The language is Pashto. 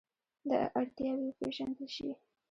دا اړتیاوې وپېژندل شي.